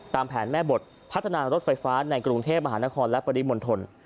ตามแผนแม่บทพัฒนารถไฟฟ้าในกรุงเทพมหานครและปริมณฑล